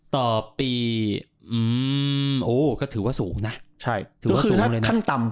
ต่อปีก็ถือว่าสูงนะถือว่าสูงเลยนะ